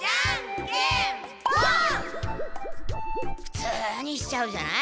ふつうにしちゃうじゃない。